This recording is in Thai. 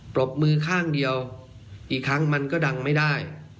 ปรบมือข้างเดียวอีกครั้งมันก็ดังไม่ได้